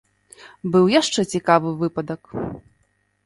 Быў яшчэ цікавы выпадак.